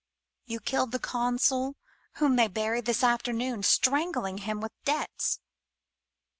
You killed the Consul, whom they buried this afternoon — strangling him with debts.